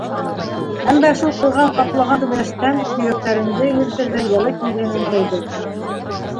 Әммә шул ҡылған ҡаплаған түбәләстән һөйәктәреңде иретерҙәй йылы килгәнен тойҙо.